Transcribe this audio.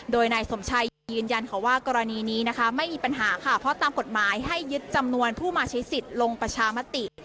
โดยนายสมชัยยืนยันค่ะว่ากรณีนี้นะคะไม่มีปัญหาค่ะเพราะตามกฎหมายให้ยึดจำนวนผู้มาใช้สิทธิ์ลงประชามติ